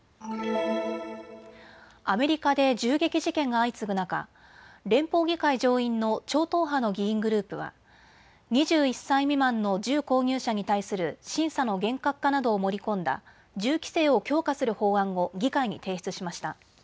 アメリカで銃撃事件が相次ぐ中、連邦議会上院の超党派の議員グループは２１歳未満の銃購入者に対する審査の厳格化などを盛り込んだ銃規制を強化する法案を議会に提出しました。